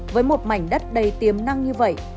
với một mảnh đất đầy tiềm năng như vậy